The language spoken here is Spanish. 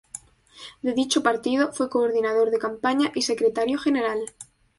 De dicho partido fue coordinador de campaña y secretario general.